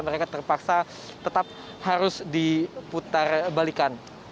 mereka terpaksa tetap harus diputar balikan